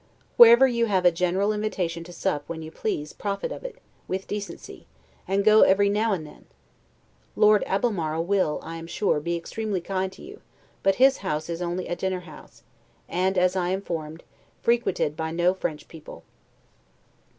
Wherever you have a general invitation to sup when you please, profit of it, with decency, and go every now and then. Lord Albemarle will, I am sure, be extremely kind to you, but his house is only a dinner house; and, as I am informed, frequented by no French people.